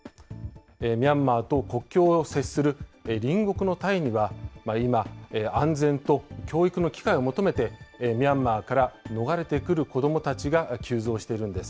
ミャンマーと国境を接する隣国のタイには、今、安全と教育の機会を求めて、ミャンマーから逃れてくる子どもたちが急増しているんです。